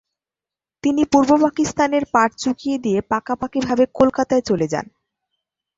তিনি পূর্ব পাকিস্তানের পাট চুকিয়ে দিয়ে পাকাপাকিভাবে কলকাতায় চলে যান।